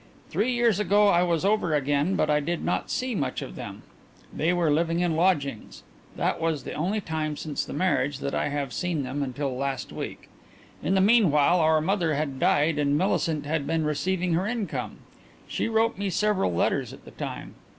"Three years ago I was over again but I did not see much of them. They were living in lodgings. That was the only time since the marriage that I have seen them until last week. In the meanwhile our mother had died and Millicent had been receiving her income. She wrote me several letters at the time.